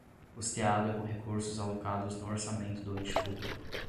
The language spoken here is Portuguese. custeada com recursos alocados no orçamento do ente público